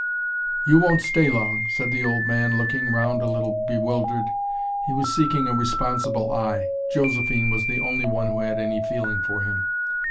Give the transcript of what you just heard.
"You won't stay long," said the old man, looking round a little bewildered. He was seeking a responsible eye. Josephine was the only one who had any feeling for him.